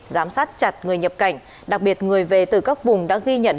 giám sát chặt người nhập cảnh đặc biệt người về từ các vùng đã ghi nhận